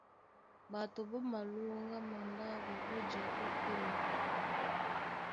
Ɓato ɓá malóŋgá mandáɓo ó ja ótên.